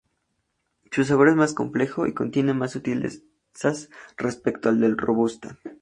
Su sabor es más complejo y contiene más sutilezas respecto del Robusta.